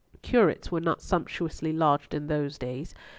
Curates were not sumptuously lodged in those days.